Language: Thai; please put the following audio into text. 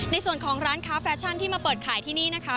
ในส่วนของร้านค้าแฟชั่นที่มาเปิดขายที่นี่นะคะ